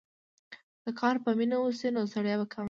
که کار په مینه وشي، نو ستړیا به کمه شي.